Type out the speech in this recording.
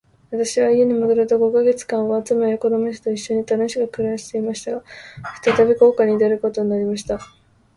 私は家に戻ると五ヵ月間は、妻や子供たちと一しょに楽しく暮していました。が、再び航海に出ることになりました。